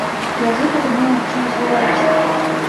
Язык атрымаў магчымасць гаварыць.